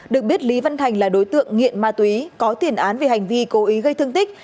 được biết lý văn thành là đối tượng nghiện ma túy có tiền án về hành vi cố ý gây thương tích